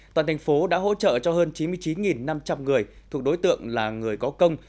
toàn thành phố đã hỗ trợ cho hơn chín mươi chín năm trăm linh người thuộc đối tượng là người có công